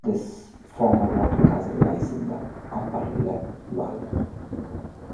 This former water castle lies in the upper Leppe valley.